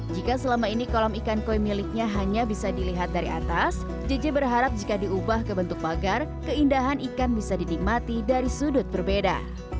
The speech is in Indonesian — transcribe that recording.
jika selama ini kolam ikan koi miliknya hanya bisa dilihat dari atas jj berharap jika diubah ke bentuk pagar keindahan ikan bisa dinikmati dari sudut berbeda